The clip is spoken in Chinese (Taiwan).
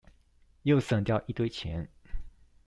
又省掉一堆錢